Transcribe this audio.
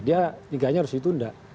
dia nikahnya harus ditunda